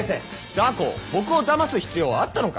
ダー子僕をだます必要はあったのか？